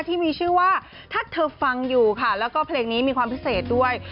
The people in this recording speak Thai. ที่มีชื่อว่าถ้าเธอฟังอยู่ค่ะแล้วก็เพลงนี้มีความพิเศษด้วย